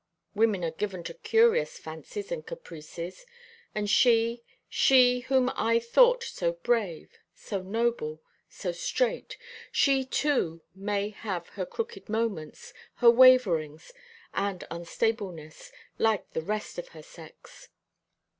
Women are given to curious fancies and caprices; and she she whom I thought so brave, so noble, so straight she too may have her crooked moments, her waverings, and unstableness, like the rest of her sex."